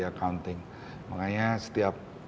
accounting makanya setiap